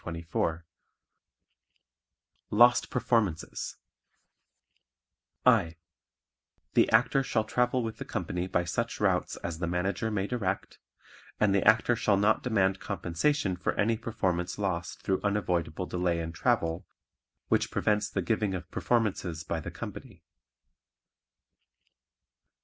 Lost Performances (I) The Actor shall travel with the company by such routes as the Manager may direct, and the Actor shall not demand compensation for any performance lost through unavoidable delay in travel which prevents the giving of performances by the company.